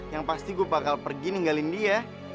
yang pasti gue bakal pergi ninggalin dia